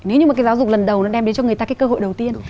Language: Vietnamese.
nếu như mà cái giáo dục lần đầu nó đem đến cho người ta cái cơ hội đầu tiên